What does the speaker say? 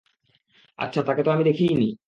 আচ্ছা তাকে তো আমি দেখিই নি।